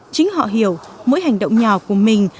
chính họ hiểu mỗi hành động nhỏ của mình